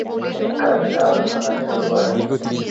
তিনি কালীর আরাধনা শুরু করেন।